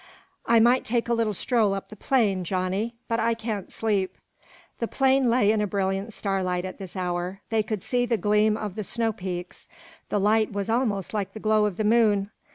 "I might take a little stroll up the plain, Johnny but I can't sleep." The plain lay in a brilliant starlight at this hour; they could see the gleam of the snow peaks the light was almost like the glow of the moon.